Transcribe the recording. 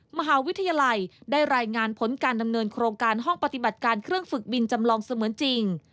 มหาวิทยาลัยได้รายงานผลการดำเนินโครงการห้องปฏิบัติการเครื่องฝึกบินจำลองเสมือนจริง